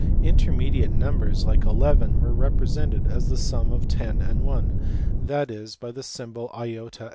Intermediate numbers like 11 were represented as the sum of 10 and 1, that is, by the symbol ta